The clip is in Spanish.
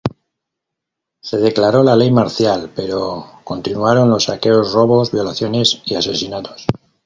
Se declaró la ley marcial, pero continuaron los saqueos, robos, violaciones y asesinatos.